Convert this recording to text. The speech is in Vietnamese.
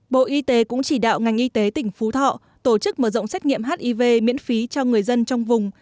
bộ y tế cũng chỉ đạo ngành y tế tỉnh phú thọ tổ chức mở rộng xét nghiệm hiv miễn phí cho người dân trong vùng